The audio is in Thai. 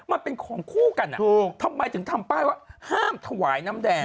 มันเป็นของคู่กันอ่ะถูกทำไมถึงทำป้ายว่าห้ามถวายน้ำแดง